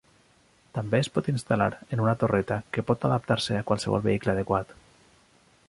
També es pot instal·lar en una torreta que pot adaptar-se a qualsevol vehicle adequat.